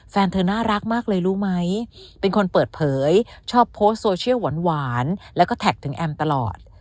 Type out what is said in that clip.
แฟนเธอน่ารักมากเลยรู้ไหมเป็นคนเปิดเผยชอบโพสต์โซเชียลหวานแล้วก็แท็กถึงแอมตลอด